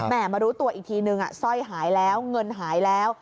มารู้ตัวอีกทีนึงสร้อยหายแล้วเงินหายแล้ว